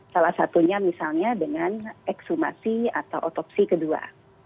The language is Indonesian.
salah satunya misalnya dengan ekshumasi atau otopsi kedua